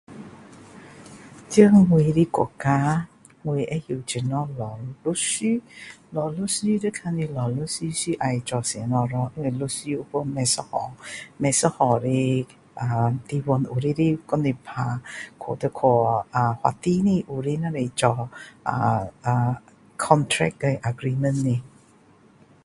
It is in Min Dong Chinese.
这我的国家我知道怎样找律师找律师要看你找律师是要做什么咯因为律师有分不一样不一样的呃地方有些的帮你打要去法庭的有些只是做呃呃 contract 和 agreement 的